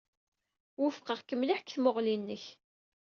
Wufqeɣ-k mliḥ deg tmuɣli-nnek.